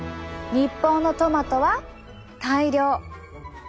日本のトマトは大量。